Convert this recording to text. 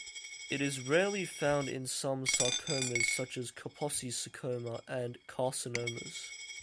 It is rarely found in some sarcomas, such as Kaposi's sarcoma, and carcinomas.